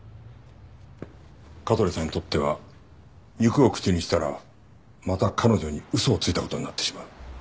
香取さんにとっては肉を口にしたらまた彼女に嘘をついた事になってしまう。